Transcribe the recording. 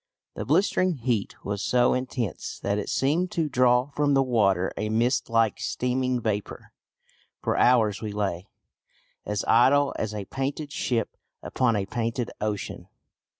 The blistering heat was so intense that it seemed to draw from the water a mist like steaming vapour. For hours we lay "As idle as a painted ship Upon a painted ocean."